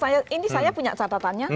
saya ini saya punya catatannya